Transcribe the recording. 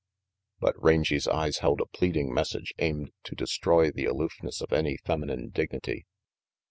But Rangy 's eyes held a pleading message aimed to destroy the aloofness of any feminine dignity.